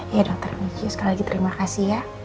ya dokter lucu sekali lagi terima kasih ya